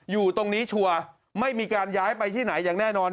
อยู่ตรงนี้ชัวร์ไม่มีการย้ายไปที่ไหนอย่างแน่นอน